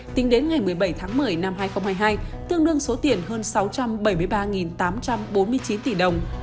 tính đến ngày một mươi bảy tháng một mươi năm hai nghìn hai mươi hai tương đương số tiền hơn sáu trăm bảy mươi ba tám trăm bốn mươi chín tỷ đồng